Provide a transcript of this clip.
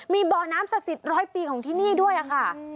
มีบ่อน้ำศักดิ์สิทธิร้อยปีของที่นี่ด้วยค่ะ